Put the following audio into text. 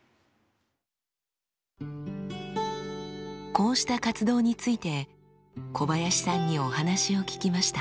こうした活動について小林さんにお話を聞きました。